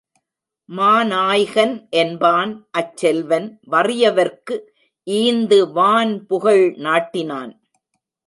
மாநாய்கன் என்பான் அச் செல்வன் வறியவர்க்கு ஈந்து வான்புகழ் நாட்டினான்.